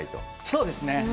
そうですね。